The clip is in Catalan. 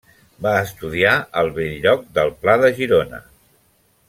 Va estudiar al Bell-lloc del Pla, de Girona.